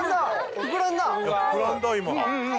膨らんだ今。